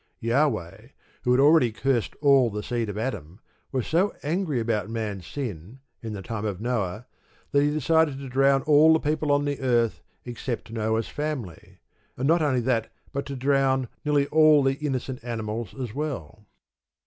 Jahweh who had already cursed all the seed of Adam, was so angry about man's sin, in the time of Noah, that he decided to drown all the people on the earth except Noah's family, and not only that, but to drown nearly all the innocent animals as well.